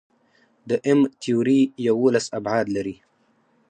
د M-تیوري یوولس ابعاد لري.